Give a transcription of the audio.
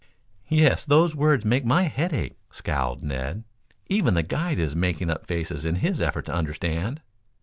"Yes; those words make my head ache," scowled Ned. "Even the guide is making up faces in his effort to understand."